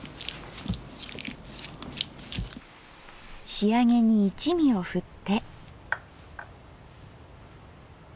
仕上げに一味をふって。